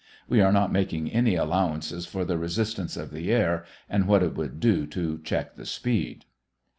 (We are not making any allowances for the resistance of the air and what it would do to check the speed.)